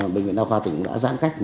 bệnh viện đào khoa tỉnh đã giãn cách